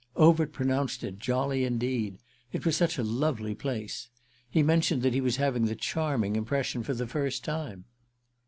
Overt pronounced it jolly indeed: it was such a lovely place. He mentioned that he was having the charming impression for the first time.